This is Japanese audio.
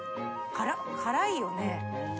辛いよね？